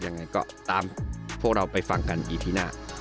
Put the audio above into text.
ยังไงก็ตามพวกเราไปฟังกันอีพีหน้า